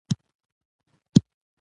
که نظم وي نو درس نه ګډوډیږي.